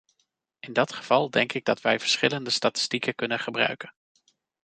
In dat geval denk ik dat wij verschillende statistieken kunnen gebruiken.